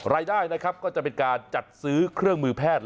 รายได้นะครับก็จะเป็นการจัดซื้อเครื่องมือแพทย์